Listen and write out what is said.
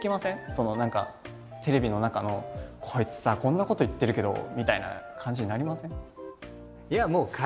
その何かテレビの中のこいつさこんなこと言ってるけどみたいな感じになりません？